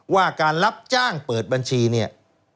ว่าการรับจ้างเปิดบัญชีเนี่ย